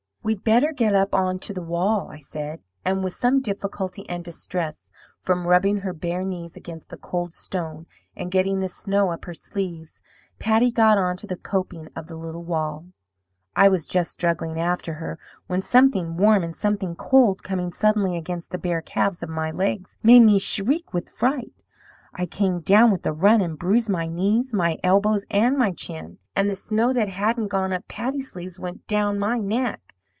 "'We'd better get up on to the wall,' I said; and with some difficulty and distress from rubbing her bare knees against the cold stone, and getting the snow up her sleeves, Patty got on to the coping of the little wall. I was just struggling after her, when something warm and something cold coming suddenly against the bare calves of my legs made me shriek with fright. I came down 'with a run' and bruised my knees, my elbows, and my chin; and the snow that hadn't gone up Patty's sleeves went down my neck.